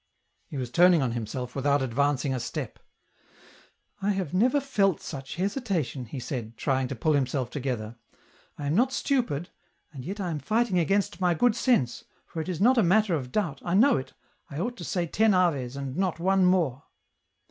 He was turning on himself without advancing a step. I have never felt such hesitation," he said, trying to pull himself together ;" I am not stupid and yet I am fighting against my good sense, for it is not a matter of doubt, I know it, I ought to say ten Aves and not one more